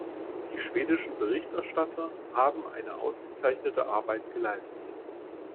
Die schwedischen Berichterstatter haben eine ausgezeichnete Arbeit geleistet.